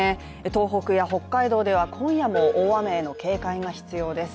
東北や北海道では今夜も大雨への警戒が必要です。